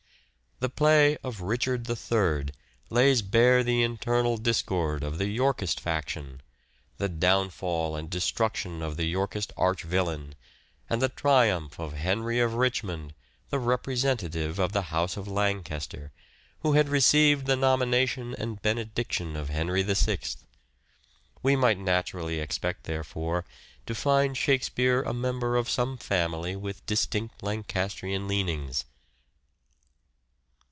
The play of " Richard III " lays bare the internal discord of the Yorkist faction, the downfall and de struction of the Yorkist arch villain, and the triumph of Henry of Richmond, the representative of the House of Lancaster, who had received the nomination and benediction of Henry VI. We might naturally expect, therefore, to find Shakespeare a member of some family with distinct Lancastrian leanings.